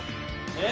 えっ？